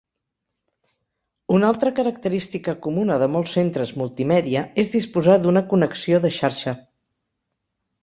Una altra característica comuna de molts centres multimèdia és disposar d'una connexió de xarxa.